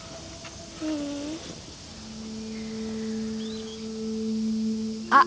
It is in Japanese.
ううん。あっ。